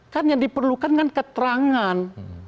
kan yang diperlukan kan keterangan